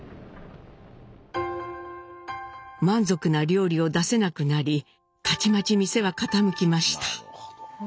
満足な料理を出せなくなりたちまち店は傾きました。